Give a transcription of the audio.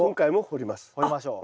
掘りましょう。